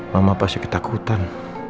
mama pasti ketakutan